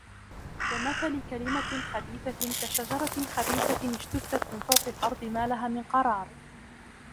ومثل كلمة خبيثة كشجرة خبيثة اجتثت من فوق الأرض ما لها من قرار